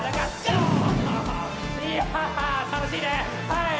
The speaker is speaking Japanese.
はい！